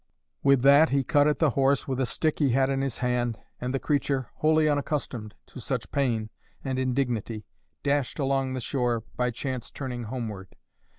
With that he cut at the horse with a stick he had in his hand, and the creature, wholly unaccustomed to such pain and indignity, dashed along the shore, by chance turning homeward.